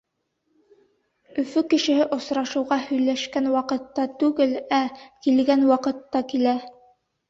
Өфө кешеһе осрашыуға һөйләшкән ваҡытта түгел, ә килгән ваҡытта килә.